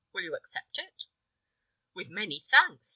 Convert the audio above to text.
Will you accept it?" "With many thanks!"